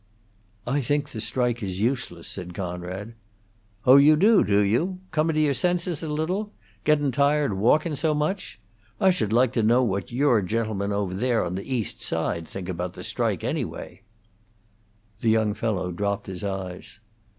"I think the strike is useless," said Conrad. "Oh, you do, do you? Comin' to your senses a little. Gettin' tired walkin' so much. I should like to know what your gentlemen over there on the East Side think about the strike, anyway." The young fellow dropped his eyes.